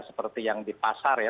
seperti yang di pasar ya